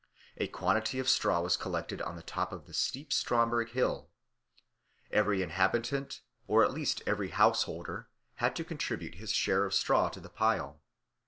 A quantity of straw was collected on the top of the steep Stromberg Hill. Every inhabitant, or at least every householder, had to contribute his share of straw to the pile.